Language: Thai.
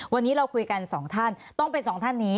วันนี้เราคุยกันสองท่านต้องเป็นสองท่านนี้